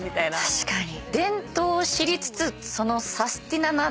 確かに。